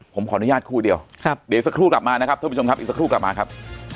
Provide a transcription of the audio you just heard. ผมขออนุญาตครู่เดียวเดี๋ยวสักครู่กลับมานะครับท่านผู้ชมครับอีกสักครู่กลับมาครับ